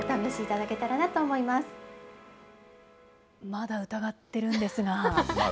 まだ疑ってるんですが。